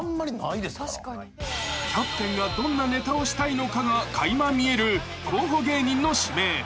［キャプテンがどんなネタをしたいのかが垣間見える候補芸人の指名］